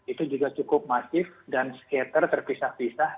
itu juga cukup masif dan psikiater terpisah pisah